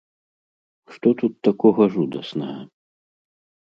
Што тут такога жудаснага?